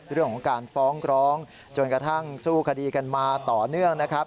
เรื่องของการฟ้องร้องจนกระทั่งสู้คดีกันมาต่อเนื่องนะครับ